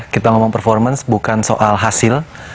kita ngomong performance bukan soal hasil